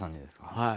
はい。